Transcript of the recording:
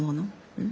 うん？